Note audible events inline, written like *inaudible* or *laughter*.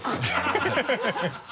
ハハハ *laughs*